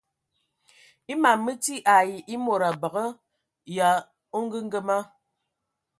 E mam mə ti ai e mod a mbəgə yə a ongəngəma.